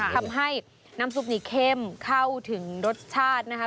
ทำให้น้ำซุปนี้เข้มเข้าถึงรสชาตินะคะ